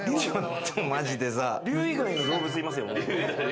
龍以外の動物いますよ。